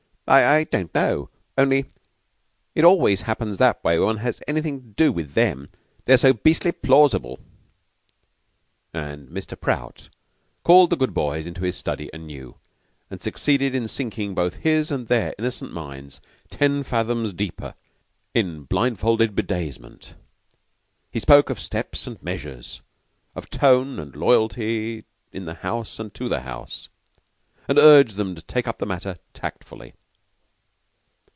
"I don't know. Only it always happens that way when one has anything to do with them. They're so beastly plausible." And Mr. Prout called the good boys into his study anew, and succeeded in sinking both his and their innocent minds ten fathoms deeper in blindfolded bedazement. He spoke of steps and measures, of tone and loyalty in the house and to the house, and urged them to take up the matter tactfully.